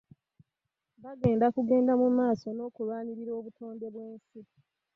Bagenda kugenda mu maaso n'okulwanirira obutonde bw'ensi